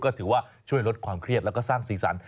ก็ถือว่าช่วยลดความเครียดแล้วก็สร้างสีสัน